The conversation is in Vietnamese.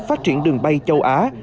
phát triển đường bay châu á